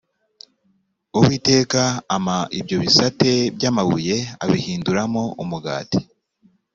uwiteka ampa ibyo bisate by ‘amabuye abihinduramo umugati.